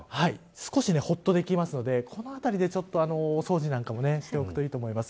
少しほっとできるのでこのあたりで、お掃除なんかもしておくといいと思います。